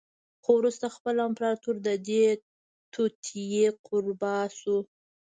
خو وروسته خپله امپراتور د دې توطیې قربا شو